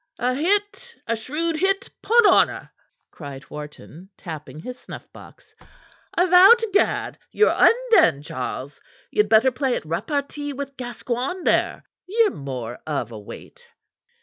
"A hit! A shrewd hit, 'pon honor!" cried Wharton, tapping his snuff box. "I vow to Gad, Ye're undone, Charles. Ye'd better play at repartee with Gascoigne, there. Ye're more of a weight."